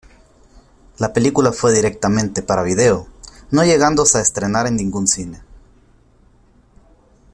La película fue directamente para video, no llegándose a estrenar en ningún cine.